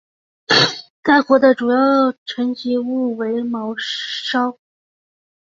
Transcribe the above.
该湖的主要沉积物为芒硝。